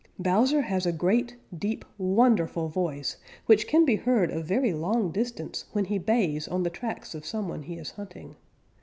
Bowser has a great, deep, wonderful voice which can be heard a very long distance when he bays on the tracks of some one he is hunting.